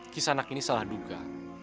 kisanak ini salah duga